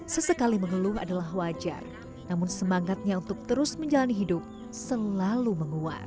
sesekali mengeluh adalah wajar namun semangatnya untuk terus menjalani hidup selalu menguat